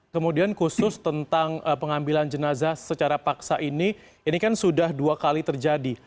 kemudian khusus tentang pengambilan jenazah secara paksa ini ini kan sudah dua kali terjadi